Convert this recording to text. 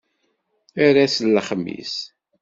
Ar ass n lexmis!